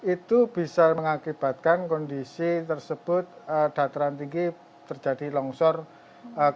itu bisa mengakibatkan kondisi tersebut dataran tinggi terjadi longsor